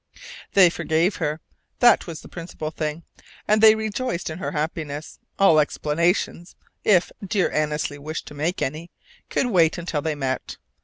They forgave her! That was the principal thing. And they rejoiced in her happiness. All explanations if "dear Annesley wished to make any" could wait until they met.